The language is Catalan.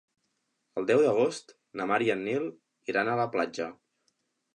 El deu d'agost na Mar i en Nil iran a la platja.